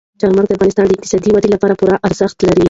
چار مغز د افغانستان د اقتصادي ودې لپاره پوره ارزښت لري.